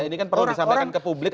ini kan perlu disampaikan ke publik